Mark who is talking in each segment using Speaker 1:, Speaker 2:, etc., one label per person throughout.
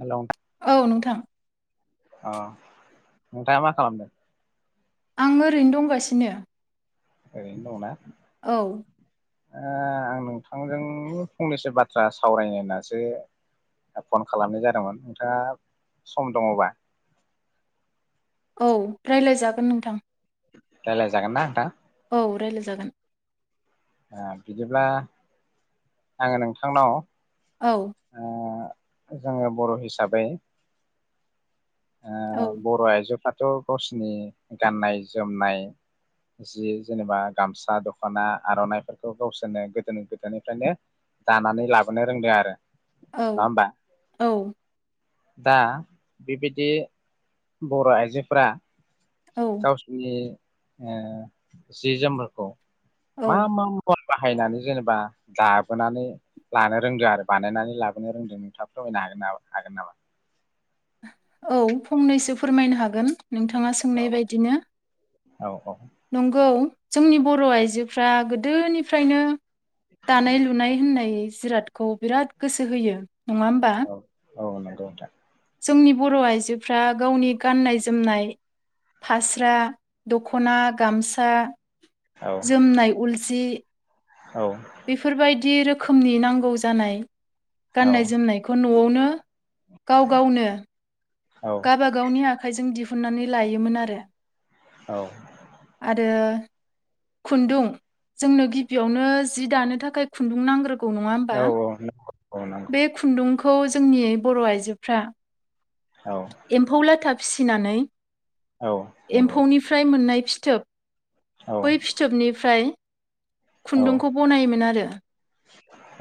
Speaker 1: हेल।
Speaker 2: औ नोंथां।
Speaker 1: अ नोंथाङा मा खालामदों?
Speaker 2: आं ओरैनो दंगासिनो।
Speaker 1: ओरैनो दङ ना?
Speaker 2: औ।
Speaker 1: अ आं नोंथांजों फंनैसो बाथ्रा सावरायनो होननासो फन खालामनाय जादोंमोन नोंथाङा सम दङबा
Speaker 2: औ रायलाय जागोन नोंथां।
Speaker 1: रालाय जागोन ना नोथां?
Speaker 2: खौ रायजलाय जागोन।
Speaker 1: बिदिब्ला आङो नोंथांनाव
Speaker 2: औ
Speaker 1: ओ जोङो बर' हिसाबै।
Speaker 2: औ
Speaker 1: ओ बर' आयजोफ्रा थ' गावसोरनि गाननाय जोमनाय जि जेनेबा गामसा दख'ना आर'नाफोरखौ गावसोरनो गोदोनि गोदायनिफ्रायनो दानानै लाबोनो रोंदों आरो।
Speaker 2: औ
Speaker 1: नङा होमबा
Speaker 2: औ
Speaker 1: दा बि बि दि बर' आइजोफ्रा
Speaker 2: औ
Speaker 1: गावसिनि ओ जि जोमफोरखौ
Speaker 2: औ
Speaker 1: मा मा उगन बाहायनानै जेनेबा दाबोनानै लानो रोंदों आरो बानायनानै लाबोनो रोंदों नोंथाङा फोरमायनो हागोन नामा हागोन नामा?
Speaker 2: औ फंनैसो फोरमायनो हागोन। नोंथाङा सोंनाय बायदिनो
Speaker 1: औ औ
Speaker 2: नंगौ जोंनि बर' आइजोफ्रा गोदोनिफ्रायनो दानाय लुनाय होननाय जिरादखौ बिराद गोसो होयो। नङा होमबा।
Speaker 1: औ नंगौ नोंथां
Speaker 2: जोंनि बर' आइजोफ्रा गावनि गाननाय जोमनाय फास्रा दख'ना गामसा
Speaker 1: औ
Speaker 2: जोमनाय उलजि
Speaker 1: औ
Speaker 2: बेफोरबायदि रो खोमनि नांगौ जानाय
Speaker 1: औ
Speaker 2: गाननाय जोमनायखौ नु न'यावनो गाव गावनो
Speaker 1: औ
Speaker 2: गावाबागावनि आखाइजों दिहु हुननानै लायोमोन आरो।
Speaker 1: औ
Speaker 2: आरो खुन्दुं जोंनो गिबियावनो जि दानो थाखाय खुन्दुं नांग्रो
Speaker 1: औ औ
Speaker 2: बे खुन्दुंखो खौ जोंनि बर' आइजोफ्रा
Speaker 1: औ
Speaker 2: एम्फौ लाथा फिसिनानै।
Speaker 1: औ नंगौ
Speaker 2: एम्फौनिफ्राय मोननाय। फिथोब।
Speaker 1: औ
Speaker 2: बै फिथोबनिफ्राय।
Speaker 1: अ औ
Speaker 2: खुन्दुंखौ बनायोमोन आरो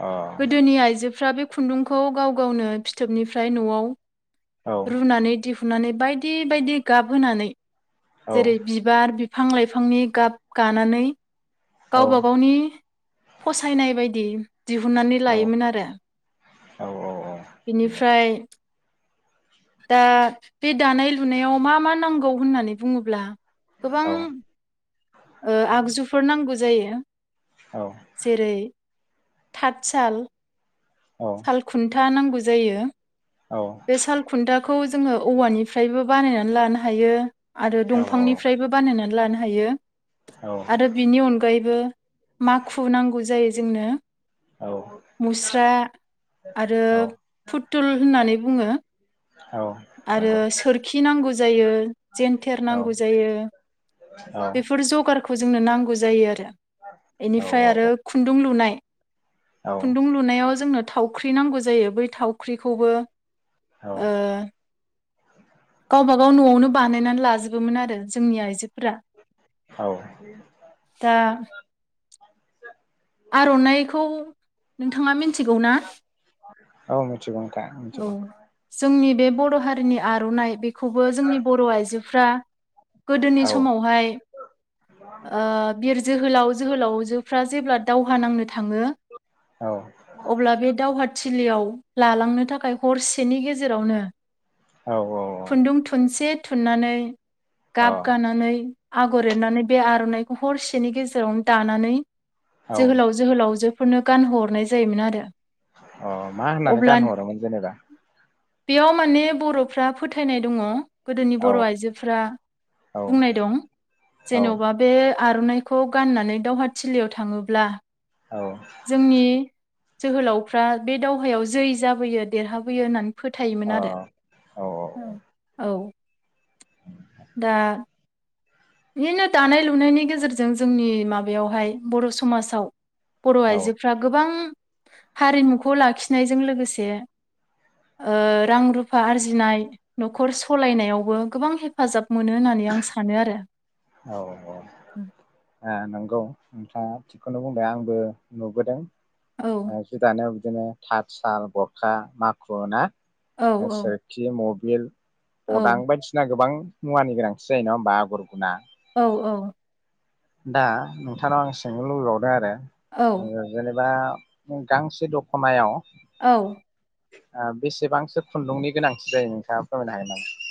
Speaker 1: औ
Speaker 2: गोदोनि आइजोफ्रा बे। खुन्दुंखौ गाव गावनो फिथोबनिफ्राय न'आव। रुनानै दिहुननानै। बायदि बायदि गाबहोनानै।
Speaker 1: औ
Speaker 2: जेरै बिबार बि फां लाइफांनि गाब गानानै। गावबा गावनि फसायनाय बायदि दिहुननानै
Speaker 1: औ नंगौ
Speaker 2: लायोमोन
Speaker 1: औ
Speaker 2: आरो बेनिफ्राय। दा बे दानाय लुनायाव मा मा नांगौ होननानै बुङोब्ला। गोबां। ओ आगजुफोर नांगौ जायो। जेरै थात साल।
Speaker 1: औ
Speaker 2: साल खुन्था नांगौ। जायो। बे साल खुन्था खौ जोङो औवानिफ्रायबो बानायनानै लानो हायो।
Speaker 1: औ
Speaker 2: आरो
Speaker 1: औ
Speaker 2: दंफांनिफ्रायबो बानायनानै लानो हायो
Speaker 1: औ
Speaker 2: आरो बिनि अनगायैबो माखु नांगौ जायो। जोंनो। मुस्रा आरो
Speaker 1: औ
Speaker 2: फुथुल होननानै। बुङो।
Speaker 1: औ
Speaker 2: आरो
Speaker 1: नंगौ
Speaker 2: सोरखि नांगौ जायो जेनथेर
Speaker 1: औ
Speaker 2: नांगौ जायो बेफोर जगार। खौ जोंनो नांगौ जायो आरो।
Speaker 1: औ
Speaker 2: इनिफ्राय आरो खुन्दुं लुनाय।
Speaker 1: औ
Speaker 2: खुन्दुं लुनायाव जोंनो। थावख्रि नांगौ जायो बै थाव। ख्रि खौबो।
Speaker 1: औ
Speaker 2: ओ। गावबा गाव न'आवनो बानायनानै लाजोबोमोन आरो जोंनि आइजो फोरा।
Speaker 1: औ
Speaker 2: आर'नाइखौ नोंथाङा मि थिगौ ना?
Speaker 1: औ मिथिगौ नोंथां
Speaker 2: औ
Speaker 1: मिथिगौ।
Speaker 2: जोंनि बे बर' हारिनि आर'नाइ बे खौबो जोंनि बर' आइजो फ्रा
Speaker 1: औ
Speaker 2: गोदोनि समावहाय ओ बिर जोहोलाव जोहोलावजोफ्रा जेब्ला दावहा नांनो था थाङो
Speaker 1: औ
Speaker 2: अब्ला बे दावहा थिलियाव लालांनो थाखाय हरसेनि गेजेरावनो
Speaker 1: औ
Speaker 2: खुन्दुं थुनसे थुननानै
Speaker 1: औ
Speaker 2: गाब गानानै आगर एरनानै बे आर'नाइखौ हरसेनि गेजेरावनो दानानै
Speaker 1: औ
Speaker 2: जोहोलाव जोहोलाव जो फोरनो गानहोहरनाय जायोमोन आरो।
Speaker 1: अ मा होननानै
Speaker 2: अब्ला
Speaker 1: गानहोहरामोन? जेनेबा
Speaker 2: बेयाव माने बर'फ्रा फोथायनाय दङ। गोदोनि
Speaker 1: औ
Speaker 2: बर' आइजोफोरा
Speaker 1: औ
Speaker 2: बुंनाय दं जेन'बा बे आर'नाइखौ गाननानै दावहाथिलियाव थाङोब्ला जोंनि जोहोलावफ्रा बे दावहायाव जै जाबोयो देरहाबोयो होननानै फोथायोमोन आरो। औ औ दा बिदिनो दानाय लुनायनि गेजेरजों जोंनि माबायावहाय बर' समाजाव बर' आइजोफ्रा गोबां हारिमुखौ लाखिनायजों लोगोसे ओ रां रुफा आरजिनाय न'खर सालायनायावबो गोबां हेफाजाब मोनो होननानै आं सानो आरो।
Speaker 1: औ औ ओ नंगौ नोंथाङा थिगखौनो बुंबाय आंबो नुबोदों।
Speaker 2: औ
Speaker 1: ओ जि दानाय बिदिनो थाथसाल गरखा माखु ना?
Speaker 2: औ
Speaker 1: ओ
Speaker 2: औ
Speaker 1: सोरखि मब मेल
Speaker 2: औ
Speaker 1: अदां बायदिसिना गोबां मुवानि गोनांथि जायो नङा होमबा आगर गुना
Speaker 2: औ औ।
Speaker 1: दा नोंथांनाव आं सोंनो लुबैबावदों आरो
Speaker 2: औ
Speaker 1: ओ जेनेबा जों गांसे दख'नायाव
Speaker 2: औ।
Speaker 1: आ बेसेबांसो खुन्दुंनि गोनांथि जायो नोंथाङा फोरमायनो हागोन नामा?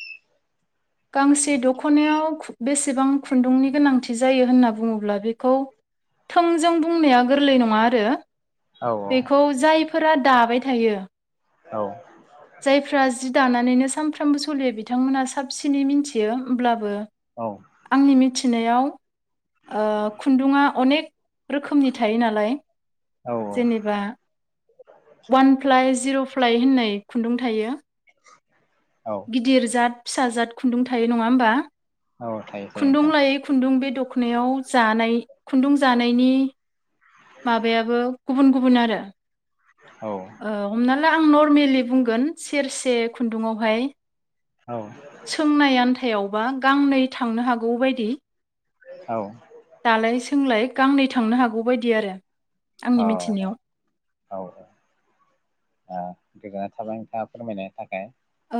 Speaker 2: गांसे दख'नायाव खु बेसेबां खुन्दुंनि गोनांथि जायो होनना बुङोब्ला बेखौ थोंजों बुंनाया गोरलै नङा आरो
Speaker 1: हागोन नामा? औ
Speaker 2: बेखौ जायफोराद दाबाय थायो
Speaker 1: औ
Speaker 2: जारफ्रा जि जि दानानैनो सानफ्रामबो सलियो बिथांमोनहा साबसिनै मिनथियो उमब्लाबो
Speaker 1: औ
Speaker 2: आंनि मिथिनायाव ओ खुन्दुङा अनेक रोखोमनि थायो नालाय
Speaker 1: औ
Speaker 2: जेनेबा वान फ्लाइ जिरफ फ्लाय होननाय खुन्दुं थायो।
Speaker 1: औ
Speaker 2: गिदिर जाद फिसा जाद खुन्दुं थायो नङा होमबा?
Speaker 1: औ थायो थायो
Speaker 2: खुन्दुं
Speaker 1: नोंथां
Speaker 2: लायै खुन्दुं बे दख खनायाव जानाय खुन्दुं जानायनि माबायाबो गुबुन गुबुन आरो।
Speaker 1: औ
Speaker 2: ओ हमनाल ला आं नरमेलि बुंगोन सेरसे खुन्दुंआवहाय
Speaker 1: औ।
Speaker 2: थायावबा गांनै थांनो हागौ बायदि
Speaker 1: औ
Speaker 2: दालाय सोंलाय गांनै थांनो हागौ बदि आरो आंनि
Speaker 1: औ
Speaker 2: मिथिनायाव
Speaker 1: गोजोना थाबाय नोंथाङा फोरमायनो थाखाय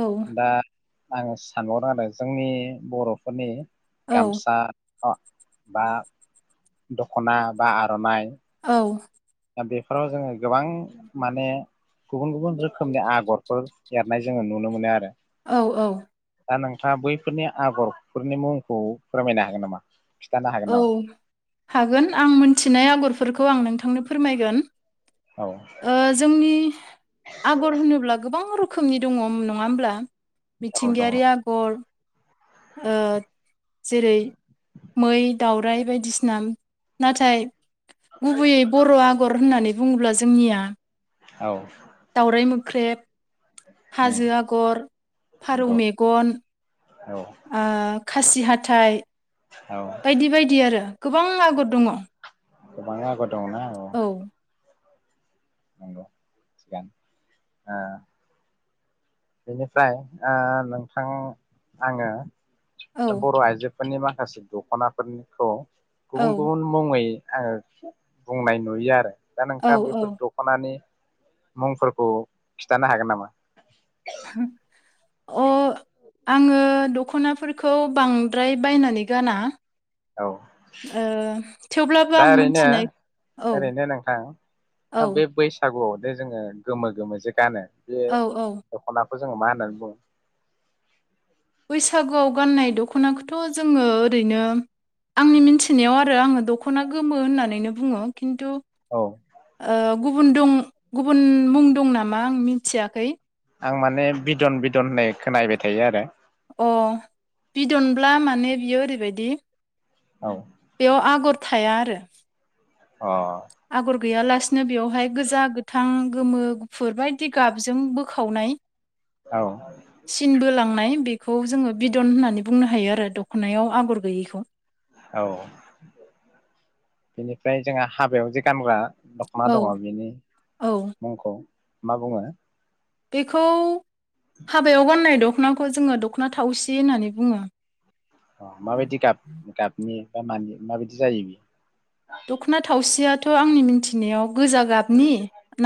Speaker 2: औ
Speaker 1: दा आङो सानहर आरो जोंनि बर'फोरनि
Speaker 2: औ
Speaker 1: गामसा अ बा दखना बा आर'ननाय
Speaker 2: औ
Speaker 1: दा बेफोराव जोङो गोबां माने गुबुन गुबुन रोखोमनि आगरफोर एरनाय जोङो नुनो मोनो आरो
Speaker 2: औ औ
Speaker 1: दा नोंथाङा बैफोरनि आगरफोरनि मुंखौ फोरमायनो हागोन नामा? खिन्थानो हागोन
Speaker 2: औ
Speaker 1: नामा
Speaker 2: हागोन आं मिथिनाय आगरफोर खौ आं नोंथांनो फोरमायगोन
Speaker 1: औ
Speaker 2: ओ जोंनि आगर होनोब्ला गोबां रोख रोखोमनि दङ नङा होमब्ला
Speaker 1: औ दङ
Speaker 2: मिथिंगायारि आगर ओ जेरै दाउराइ बायदिसिना नाथाय गुबैयै बर' आगर होननानै बुङोब्ला जोंनिया
Speaker 1: औ
Speaker 2: ख्रेब
Speaker 1: उम
Speaker 2: हाजो आगर फारौ
Speaker 1: नंगौ
Speaker 2: मेगन
Speaker 1: औ
Speaker 2: ओ खासि हाथाय
Speaker 1: औ
Speaker 2: बायदि बायदि आरो गोबां आगर दङ
Speaker 1: गोबांनो आगर दं ना औ नंगौ थिगानो ओ बेनिफ्राय ओ नोंथां आङो
Speaker 2: औ
Speaker 1: दा बर' आयजो फोरनि माखासे दख'ना फोरनिखौ
Speaker 2: औ
Speaker 1: गुबुन गुबुन मुङै आङो बुंनाय नुयो आरो। दा
Speaker 2: औ
Speaker 1: नोंहा
Speaker 2: औ
Speaker 1: बेफोर दख'नानि मुंफोरखौ खिथानो हागोन नामा?
Speaker 2: अ आङो दख'नाफोरखौ बांद्राय बायनानै गाना।
Speaker 1: औ
Speaker 2: ओ थेवब्लाबो
Speaker 1: दा
Speaker 2: आं
Speaker 1: ओरैनो
Speaker 2: मोनथिनाय औ
Speaker 1: ओरैनो नोंथां
Speaker 2: औ
Speaker 1: बे बैसागुआव बे जोङो गोमो गोमो जे गानो। जे
Speaker 2: औ औ
Speaker 1: दखना बेखौ जोङो मा होननानै बुङो?
Speaker 2: बैसागुआव गाननाय दख'नाखौथ' जोङो ओरैनो आंनि मिथिनायाव आरो आङो दख'ना गोमो होननानैनो बुङो खिन्थु
Speaker 1: औ।
Speaker 2: ओ गुबुन दं गुबुन मुं दं नामा आं मिथियाखै।
Speaker 1: आं माने बिदन बिदन होननाय खोनाबाय थायो आरो।
Speaker 2: अ बिदनब्ला माने बियो ओरैबायदि
Speaker 1: औ
Speaker 2: बेयाव आगर थाया आरो।
Speaker 1: अ।
Speaker 2: आगर गैयालासिनो बेवहाय गोजा गोथां गोमो गुफुर बायदि गाबजों बोखावनाय।
Speaker 1: औ
Speaker 2: सिनबोलाङो बेखौ जोङो बिदन होननानै बुंनो हायो आरो दखनायाव आगर गैयैखौ
Speaker 1: औ बेनिफ्राय जोंहा हाबायाव जे गानग्रा दख'ना
Speaker 2: औ
Speaker 1: दङ बेनि
Speaker 2: औ
Speaker 1: मुंखौ। मा बुङो?
Speaker 2: बेखौ हाबाय गाननाय दखना दख'नाखौ जोङो दख'ना थावसि होननानै बुङो।
Speaker 1: अ माबायदि गाब गाबनि? बा मानि माबायदि जायो बियो?
Speaker 2: दख'ना थावसियाथ' आंनि मिन्थिनायाव गोजा गाबनि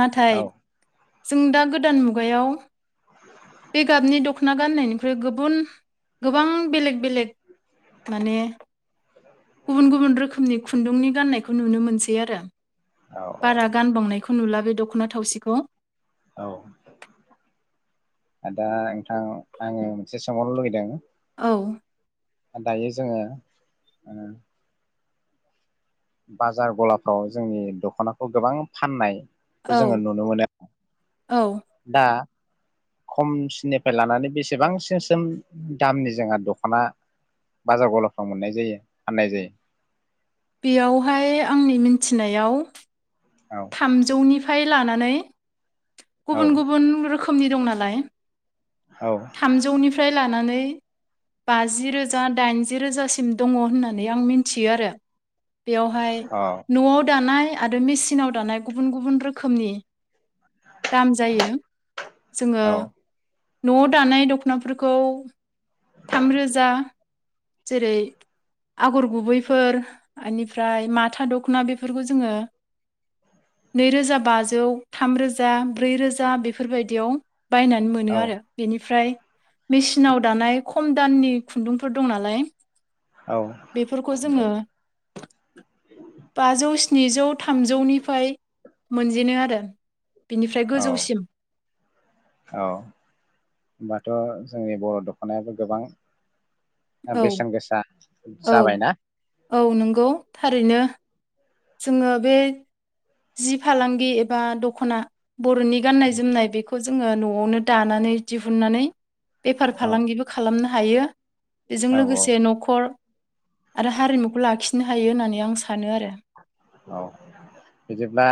Speaker 2: नाथाय
Speaker 1: औ
Speaker 2: जों दा गोदान मुगायाव
Speaker 1: औ [unintelligible]
Speaker 2: बे गाबनि दख'ना गाननायनिख्रुइ गुबुन गोबां बेलेग बेलेग माने गुबुन गुबुन रोखोमनि खुन्दुंनि गान्नायखौ नुनो मोनसै आरो
Speaker 1: औ
Speaker 2: बारा गानबावनायखौ नुलाबाय दख'ना थावसिखौ।
Speaker 1: औ दा नोंथां आङो मोनसे सोंबावनो लुगैदों।
Speaker 2: औ।
Speaker 1: दायो जोङो ओ बाजार गलाफ्राव जोंनि दख'नाखौ गोबां फाननाय खौ जोङो
Speaker 2: औ
Speaker 1: नुनो मोनो
Speaker 2: औ
Speaker 1: दा खमसिननिफ्राय लानानै बेसेबांसिसिम दामनि जोंहा दख'ना बाजार गलाफ्राव मोननाय जायो फाननाय जायो।
Speaker 2: बेयावहाय आंनि मिन मिथिनायाव
Speaker 1: औ
Speaker 2: थामजौनि फाय आखाइ लानानै
Speaker 1: औ
Speaker 2: गुबुन गुबुन रोखोमनि दं ना लाय।
Speaker 1: औ
Speaker 2: थामजौनिफ्राय लानानै बाजि रोजा दाइनजि रोजासिम दङ होननानै आं मिथियो आरो। बेवाहाय न'आव दानाय आरो मेसिनाव दानाय गुबुन गुबुन रोखोमनि दाम जायो जोङो
Speaker 1: औ
Speaker 2: न'आव दानाय दख'नाफोरखौ थामरोजा जेरै आगर गुबैफोर बेनिफ्राय माथा दख'ना बेफोरखौ जोङो नैरोजा बाजौ थामरोजा ब्रै रोजा बेफोरबायदियाव बायनानै मोनो
Speaker 1: औ
Speaker 2: आरो बेनिफ्राय मेसिनाव दानाय खम दाननि खुन्दुंफोर दं नालाय
Speaker 1: औ
Speaker 2: बेफोरखौ जोङो
Speaker 1: नंगौ
Speaker 2: बाजौ स्निजौ थामजौनिफ्राय मोनजेनो आरो। बिनिफ्राय
Speaker 1: औ
Speaker 2: गोजौसिम।
Speaker 1: औ होमबाथ' जोंनि बर' दख'नायाबो गोबां
Speaker 2: औ
Speaker 1: बेसेन गोसा जाबायना।
Speaker 2: गौ थारैनो। जोङो बे जि फालांगि एबा दख'ना बर'नि गाननाय जोमनाय बेखौ जोङो न'आवनो दानानै दिहुननानै बेफार
Speaker 1: औ
Speaker 2: फालांगिबो खालामनो हायो। बेजों
Speaker 1: औ
Speaker 2: लोगोसे न'खर आरो हारिमुखौ लाखिनो हायो होननानै आं सा सानो आरो।
Speaker 1: औ बिदिब्ला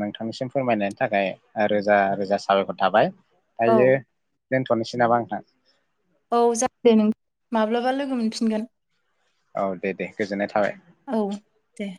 Speaker 1: नोंथांनिसिम फोरमायनायनि थाखाय रोजा रोजा साबायखर थाबाय।
Speaker 2: औ
Speaker 1: हायो। दोनथ'नोसै नामा आंहा।
Speaker 2: औ जा [unintelligible] दे नों माब्लाबा लोगो मोनफिनगोन।
Speaker 1: औ दे दे गोजोननाय थाबाय।
Speaker 2: औ दे